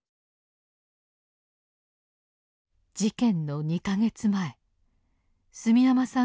事件の２か月前住山さん